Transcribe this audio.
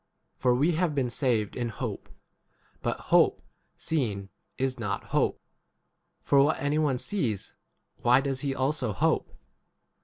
For we have been saved in hope ; but hope seen is not hope ; for what any one sees, 25 why does he also hope